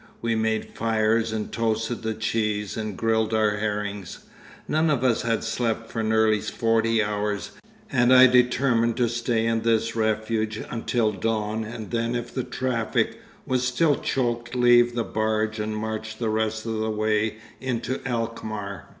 We made fires and toasted the cheese and grilled our herrings. None of us had slept for nearly forty hours, and I determined to stay in this refuge until dawn and then if the traffic was still choked leave the barge and march the rest of the way into Alkmaar.